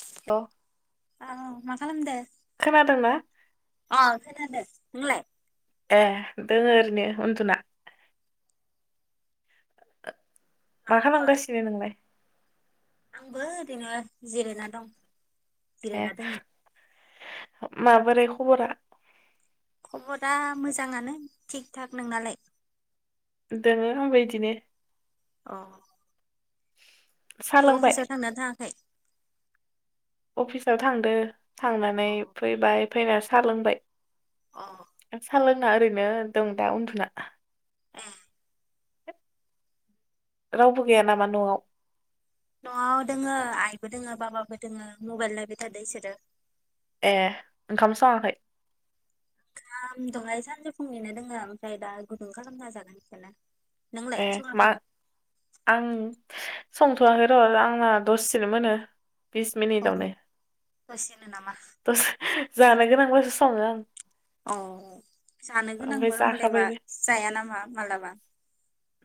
[unintelligible] आं मा खालामदों? खोनादोंना अ खोनादो। नोंलाय? ए दोङो ओरैनो उन्दुना। मा खालामगासिनो नोंलाय? आंबो ओरैनो जिरायना दं। ए जिराय दोङो। माबोरै खबरा? खबरा मोजाङानो थिग थाक। नोंनालाय? दोङो आंबो बिदिनो। औ। साहा लोंबाय अफिसाव थांना थाङाखै? याव थांदो। थांनानै अ फैबाय फैना-' सा लोंबाय अ सा लों आंना ओरैनो दं दा उन्दुना ओं होत रावबो गैया नामा न'आव न'आव दोंङ आइबो दोंङ बाबाबो दोंङो मबाइल नायबाय थादो इसोरो ए ओंखाम सङाखै ओंखाम दहाय सानजौफुनिनो दोंङो ओमफ्राय दा गुदुं खालामना जागोन बिखौनो ए मा आं संथवाखै रआंना दसेनो मोनो बिस मिनिटावनो दसेनो नामा दसे जानो गोनांब्लाासो संङो आं अ जानो ओमफ्राय गोनांबा होमबालायबा जाखाबायबो जाया नामा मालाबा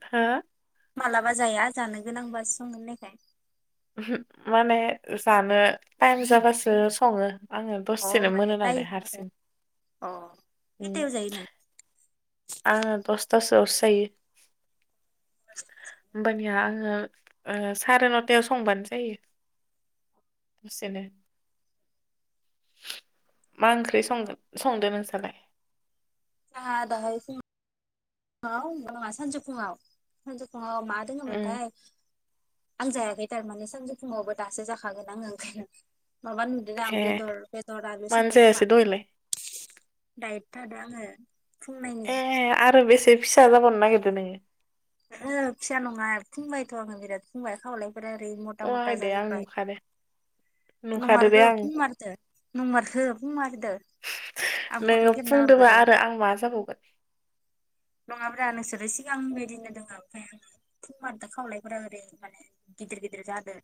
हो मालाबा जाया जानो गोनांबासो संङो होननायखाय ओमहु माने जानो टाइम जाबासो संङो आंङो अ दसेनो माने मोनो नांलाय टाइमाव आरो हारसिं अ उम खैथायाव जायो नों आङो दसथासोआवसो जायो जोंहा होनबानिया आं ओ ओ साराय नथायाव संबानो जायो दसेनो मा ओंख्रि संगोन संदो नोंस्रालाय जोंहा दाहायसो औ होनबङा [unintelligible] सानजौफुङआव सानजौफु अ मा दोंङो उम मोनथाय आं जायाखै थारमाने सानजौ फुंङावबो दासो जाखागोन आंङो ओंखायनो माबा नुदों आं ए बेदर बेदर आनो मानो संदों खोमा जायासै दहायलाय दाय थादो आंङो ए आरो बेसे फिसा जाबावनो नागिरदो नोंङो ओ फिसा नंङा फुंबायथ आंङो बिराद फुंबाय खावलाय फ्रा ओरैनो मटा अहाय मटा दे आं जाजोबबाय नुखादो नुखादो दे नमारगौ आं फुंमारदो नंमारगौ फुंमारदो आं फट नोङो खेबना हरगोन फुंदोबा र आरो आं मा जाबावगोन नङाब्रा नोंसोरो सि आं बिदिनो दोंङो ओमफ्राय आङो फुंमारदो खावलायफोरा ओरै माने गिदिर गिदिर जादों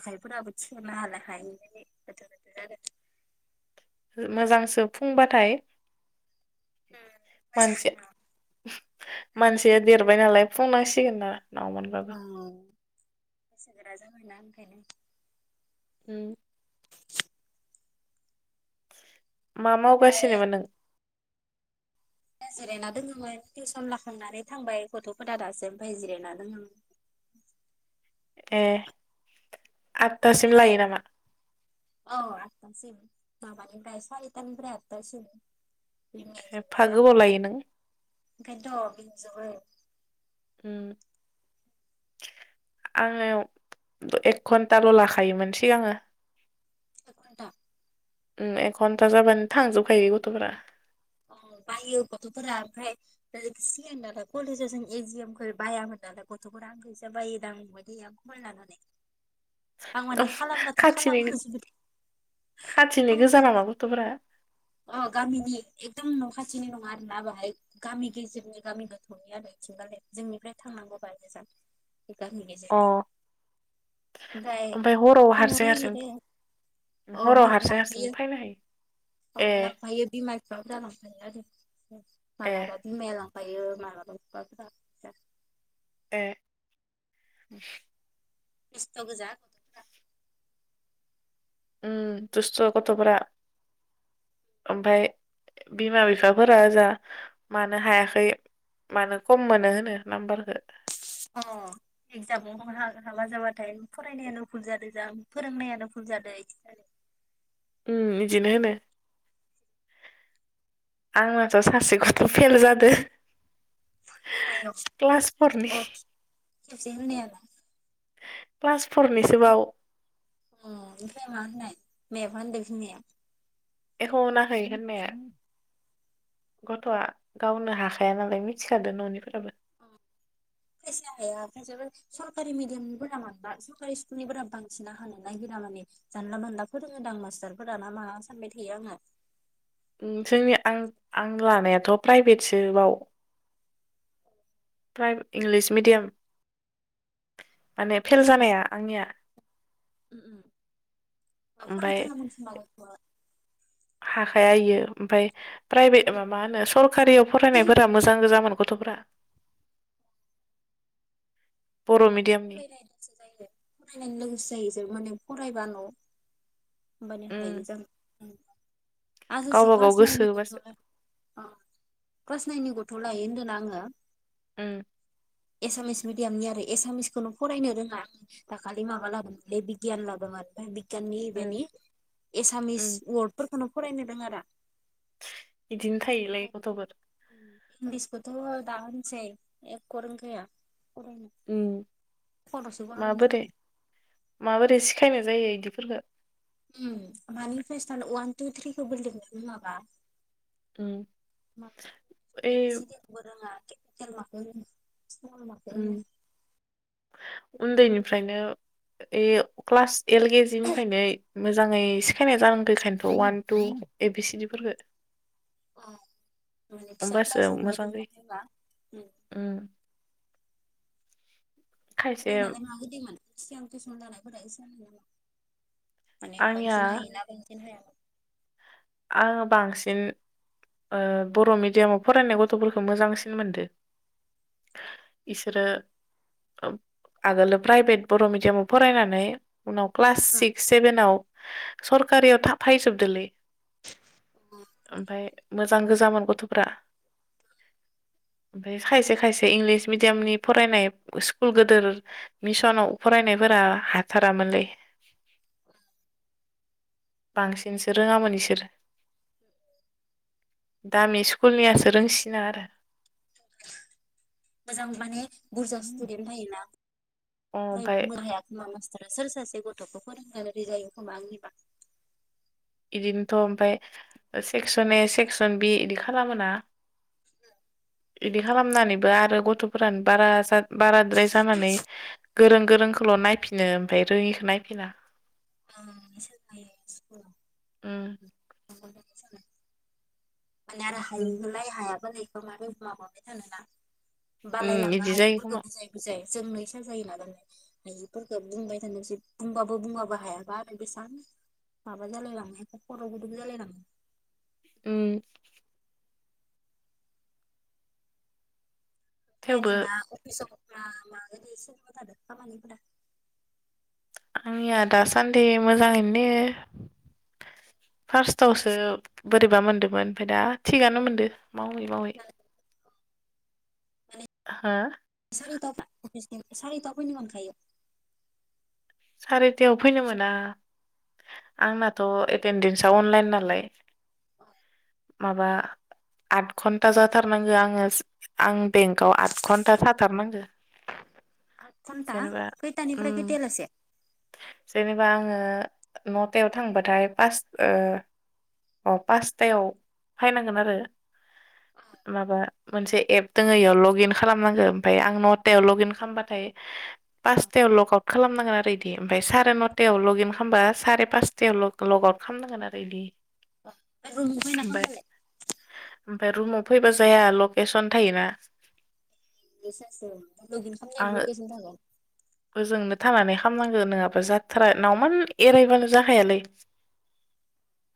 आखाइफोराबो थिखांनो हाला फाय [unintelligible] मोजांसो फुंबाथाय मोजां मानसिया बैसो मानसिया देरबाय नालाय बुंनांसिगोन ना ना मोनबाबो औ बैसोगोराजों [unintelligible] ओंखायनो उम मा ओमफ्राय मावगासिनोमोन नों जिरायना दोङोमोन टिउसन लाखांनानै थांबाय गथ'फोरा दासो ओमफाय जिरायना दोङोमोन ए आदथासिम नोंलाय लायो नामा औ आदतासिम माबानिफ्राय सारितानिफ्राय आदतासिम [unintelligible] एफा आं गोबाव लायो नों ओंखायनोथ' बिजोबो उम आङो एक घन्टाल' लाखायोमोन सिगाङो एक घन्टा उम एक घन्टा जाबानो थांजोबखायो गथ'फोरा अ बायो गथ'फोरा ओमफ्राय सिगांनियाथ कलेजाव जों एजिएमखौ [unintelligible] खाथिनिनो खालामहोजोबबाय खाथिनि खालामो गोजा नामा गथ'फोरा? अ गामिनि एकदम न' खाथिनि नङा आरोना बाहाय गामि गेजेरनि गामि गोथौनि आरो बिथिंगालै जोंनिफ्राय थांनांगौ बाहाय गोजान गामि अ गेजेरनि ओमफ्राय ओमफाय हराव थांनो हारसिं हारसिं नागिरो अ हराव हर हारसिं हारसिं लांफायो फायनो हायो? अ ए लांफायो बिमा बिफ्राबो लांफायो आरो ए माबाला बिमाया लां फायो मालाबा [unintelligible] ए [inaudible] दुस्थ' गोजा गथ'फ्रा उम दुस्थ' गथ'फोरा ओमफाय बिमा बिफाफोरा ओजा मानो हायाखै मानो खम मोनो होनो नाम्बारखो अ एक्जामाव होनो [unintelligible] जाबाथाय फरायनायानो भुल जादो जां फोरोंनायानो भुल जादो इदि होननानै उम इदिनो होनो आंनाथ' सासे गथ' फेल जादो। माइयाव क्लास फरनि अ खेबसे होनायालाय क्लास फरनिसोबाव अ ओमफ्राय मा होनाय मायाबा होनदो बिमाया एख' होनाखै होननाया गथ'आ गावनो हाखाया नालाय मिथिखादो न'निफोराबो अ खायसेया हाया खायसेया सरकारि मिडियामनिफोरा माबा सरकारि स्कुलनिफोरा बांसिना हानो नागिरा माने जानला मानला फोरोङोदां मास्टारफोराना मा सानबाय थायो आङो उम जोंनि आं आं लानायाथ' प्राइभेटसो बाव प्रा इंलिस मिडियाम माने फेल जानाया आंनिया उम उम ओ ओमफाय फरायथारामोन खोमा गथ'वा हाखाया इयो ओमफाय प्राइभेट मामा मा होनो सरकारियाव फरायनायफोरा मोजां गोजामोन गथ'फ्रा फरायनाय गोसो जायो। नोसो जायो ज माने फरायबा न' होमबानि उम हायो जों आ सासे गावबा गाव क्लास नाइनि गोसो गथ'नो होबासो ओ क्लास नाइननि गथ' लायो होनदोंना आङो। उम एसामिस मिडयामनि आरो एसामिस खौनो फरायनो रोङा दाखालि माबा लाबोदोंमोन ए बिगियान लाबोदोंमोन बिग याननि उम बेनि एसामिस उम वार्डफोर उनाव फरायनो रोङा रा। बिदिनो थायोलाय गथ'फोर इंलिसबोथ' दा होनसै एकक' रोंखाया। फरायनो। उम खर'सो गरम माबोरै जालाङो माबोरै सिखायनो जाय यो इदिफोरखो। उम मानिफ्राय स्टार्ट वान टु थ्रिखोबो बिरनो रोङाबा। उम मा ओइ ए बि सि दि खौबो रोङा। [unintelligible] माखौ होनो स्कुल माखो होनो उनदैनिफ्रायनो एयो क्लास एल केजि निफ्रायनो मोजाङै सिखायनाय जानांगो एखायनोथ' अवान टु ए बि सि डि फोरखो। औ माने फिसा होमबासो क्लासावनो मोजां रोंना जायो फैब्ला ओम उम खायसे नोंनालाय माबायदिमोन सिगां टिउसन लानाय‌ [unintelligible] माने आंनिया बांसिन हायो ना रोङै? हायामोन। आङो बांसिन ओ बर' मिडियामाव फरायनाय गथ'फोरखौ मोजांसिन मोनदो इसोरो आगोलो प्राइभेट बर' मिडियामाव फरायनानै उनाव क्लास सिक्स सेभेनाव सरकारियाव थाफायजोबदोलै। ओमफाय मोजां गोजामोन गथ'फ्रा ओमफाय खायसे खायसे इंलिस मिडियामनि फरायनाय स्कुल गोदोर मिसनाव फरायनायफोरा हाथारामोनलै। बांसिनसो रोङामोन इसोरो। दामि स्कुलनियासो रोंसिना आरो। मोजां माने बुरजा स्टुडेन्ट थायोना। ओइ ओमफ्राय [unintelligible] नामा सोर सासे गथ'खौ फोरोंनो बायदि जायो खोमा आंनिबा। बिदिनोथ' ओमफफ्राय सेक्सन ए सेक्सन बि इदि खालामोना बिदि खालामनानैबो आरो गथ'फोरानो बारा बाराद्राय जानानै गोरों गोरों ल' नायफिनो ओमफ्राय रोङिखौ नायफिना। ओं [unintelligible] ओम। माने आरो उम हायिखो नायो हायाफोरनि [unintelligible] मानो माबाबाय थानोना [inaudible] उम बालायलांङो इदि जायो हायिफोरखौ खोमा बुजाय बुजाय। जोंनो इसा जायोना दाना हायिफोरखौ बुंबाय थानो जि बुंबाबो बुंबाबो हायाबा आरो बेसेबां माबा जालाय लाङो खर' गुदुंबो जालाय लाङो। ओम। ओमफाय थेवबो नोंना अफिसआव मा - मा गोदै सोलिबाय थादो खामानिफोरा [inaudible] आंनिया दासान्दि मोजाङैनो दोङो फार्स्टआवसो बोरैबा मोनदोंमोन ओमफ्राय दा थिगानो मोनदों। मावै - मावै। हो [inaudible] सारितायाव फैनो मोनखायो? [inaudible] सारिथायाव फैनो मोना आंनाथ' एटेन्डेन्सा अनलाइन नालाय। माबा आत घन्टा जाथारनांगो आङो आं बेंकआव आत घणटा थाथारनांगो। आत घन्टा जेनेबा उम खैथानिफ्राय खैथायावलासे? जेनेबा आङो नौतायाव थांबाथाय पास ओ - ओ पासथायाव फैनांगोन आरो माबा मोनसे एप दोङो बेयाव लग इन खालामनांगो ओमफफ्राय आं नथायाव लग इन खामबाथाय पासतायाव लग आवत खालामनांगोन आरो बिदि ओमफ्राय साराय न'थायाव लग इन खालामबा साराय पासथायाव लग आउट खालामनांगोन आरो बिदि। ओ ओइ लुगैना खामबालाय [inaudible] ओमफ्राय रुमाव फैबा जाया लकेसन थायोना। बिसास' [inaudible] लग इन खामनायाबो आङो लकेसन थायो? [inaudible] ओजोंनो थानानै खालामानांगौ नङाबा जाथारा नावमान एरायबानो जाखायालै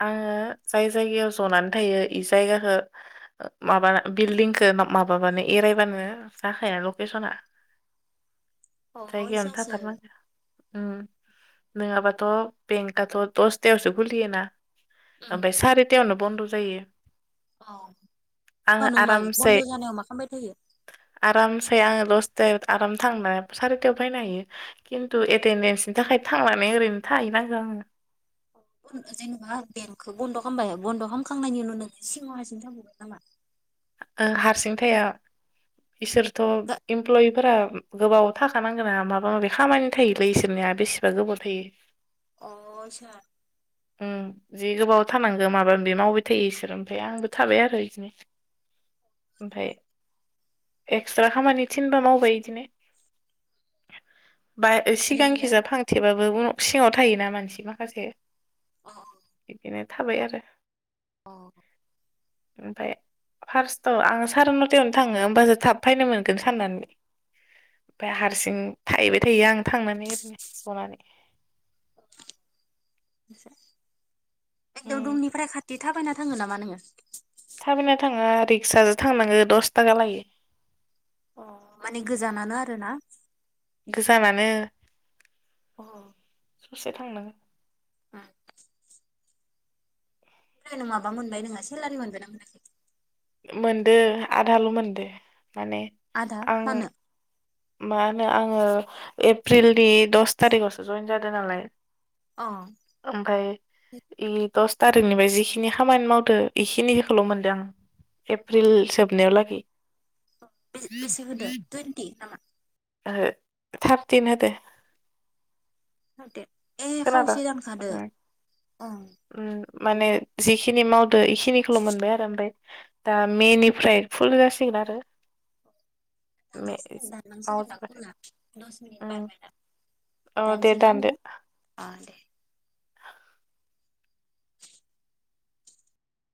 आङो जाय जायगायाव जनानै थायो बे जायगाखौ माबा बिल्दिंखौ माबाबानो एरायबानो जाखाया लकेसना। अ जायगायावनो इसासो थाथारनांगौ। उम नङाबाथ' बेंकआथ' दसथायावसो खुलियोना। उम ओमफ्राय सारितायावनो बन्द जायो। अ होमबा आङो नों मा आरामसे बन्द जानायाव मा खालामबाय थायो? आरामसे आङो दसे आराम थांना [inaudible] सारिथायाव फायनो हायो खिन्थु एटेनडेन्सनि थाखाय थांनानै ओरैनो थाहैनांगौ आङो। जेनेबा बेंकखौ बन्द खालामबाय बन्द खालामखांनायनि उनाव नोङो सिङाव हारसिं थांङो नामा? [inaudible] ओ हारसिंथाया। इसोरथ इमप्लयिफोरा गोबाव थाखानांगोन ना माबा माबि खामानि थायोलै इसोरनिया बेसेबा गोबाव थायो। अय सार [inaudible] उम जि गोबाव थानांगौ माबा बे मावबाय थायो इसोरो ओमफाय आंबो थाबाय आरो इदिनो। ओमफाय एक्सट्रा खामानि थिनबा मावबाय इदिनो। बाय ओरैनोलाय सिगांखिजा फांथेबाबो उन सिङाव थायोना मानसि माखासे बिदिनो थाबाय आरो। औ। [inaudible] ओमफाय फार्स्टाव आं साराय नथायावनो थाङो होमबासो थाब फैनो मोनगोन साननानै। ओमफाय हारसिं थाहैबाय थायो आं थांनानै ओरैनो जनानै। एसे। [inaudible] एकदम उम रुमनिफ्राय खाथि थाबायना थाङो नामा नोङो? थाबायना थाङा रिक्साजो थांनाङो दस थाखा लायो। अ माने गोजानानो आरो ना? गोजानानो। अ। [inaudible] ससे थांनांगो। उम। [inaudible] ओमफ्राय नों माबा मोनबाय नोङा सेलारि मोनबायना मोनाखै? [inaudible] मोनदो आदाल मोनदो। माने आधा आं मानो मा होनो आं ओ एप्रिलनि दस थारिखावसो जयेन जादों नालाय। अ ओमफाय इ दस थारिखनिफ्राय जिखिनि खामानि मावदो इखिनिखौल मोनदों आं। एप्रिल जोबनायाव लागै। [inaudible] बेसे होदो टुइन्टि नामा ओहो थारथिन होदो। माव दो। [inaudible] ए खावसे दानजादो। ओम माने जिखिनि माव ओ इखिनिखौल मोनबाय आरो ओमफाय दा मेनिफ्राय फुल जासिगोन आरो। मे दानसिगोन दानलांसिगोन दा मावजोबबाथाय ख'ला दस मिनिट उम बारबायना औ दे दाननोसै दानदो आङो दे। [inaudible] [inaudible]